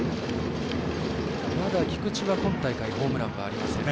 まだ菊地は今大会、ホームランはありません。